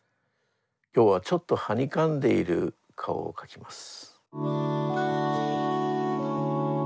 きょうはちょっとはにかんでいる顔をかきます。